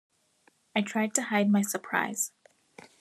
I tried to hide my surprise.